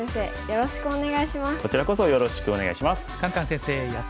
よろしくお願いします。